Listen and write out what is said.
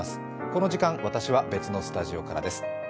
この時間、私は別のスタジオからです。